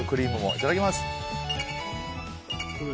いただきます。